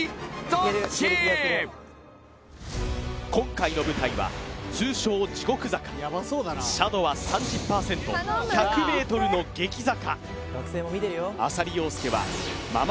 今回の舞台は通称「地獄坂」斜度は３０％１００ｍの激坂！